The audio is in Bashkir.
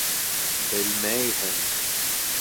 Белмәйһең.